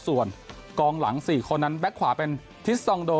ส่วนกองหลัง๔คนนั้นแก๊กขวาเป็นทิสตองโด